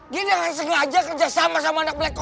dia dengan sengaja kerja sama sama anak black koko